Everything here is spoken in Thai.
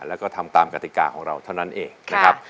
แล้วก็ทำตามกติกาของเราเท่านั้นเองนะครับ